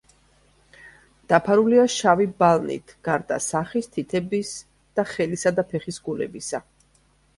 დაფარულია შავი ბალნით, გარდა სახის, თითების და ხელისა და ფეხის გულებისა.